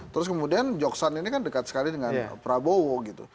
terus kemudian joksan ini kan dekat sekali dengan prabowo gitu